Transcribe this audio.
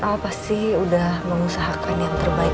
oh pasti udah mengusahakan yang terbaik